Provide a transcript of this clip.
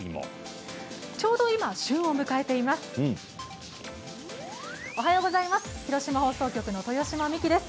ちょうど今、旬を迎えています。